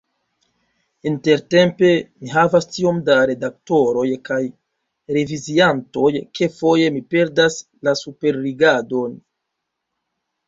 Intertempe ni havas tiom da redaktoroj kaj reviziantoj, ke foje mi perdas la superrigardon.